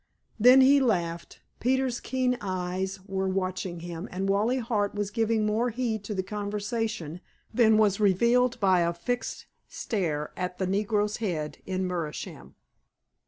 Then he laughed. Peters's keen eyes were watching him, and Wally Hart was giving more heed to the conversation than was revealed by a fixed stare at the negro's head in meerschaum.